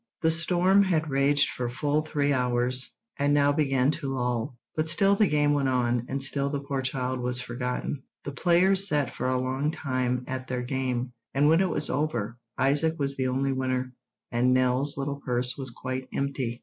The storm had raged for full three hours, and now began to lull; but still the game went on, and still the poor child was forgotten. The players sat for a long time at their game, and when it was over Isaac was the only winner, and Nell's little purse was quite empty.